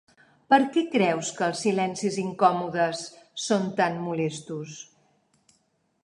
Per què creus que els silencis incòmodes són tan molestos?